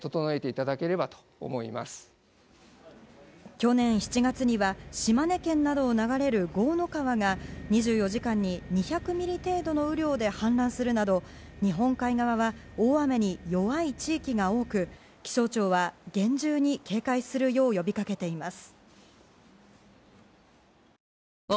去年７月には島根県などを流れる江の川が２４時間に２００ミリ程度の雨量で氾濫するなど日本海側は大雨に弱い地域が多く気象庁は厳重に警戒するよう呼びかけています。